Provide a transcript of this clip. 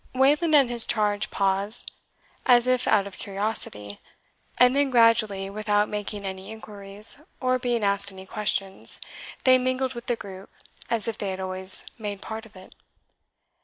Wayland and his charge paused, as if out of curiosity, and then gradually, without making any inquiries, or being asked any questions, they mingled with the group, as if they had always made part of it.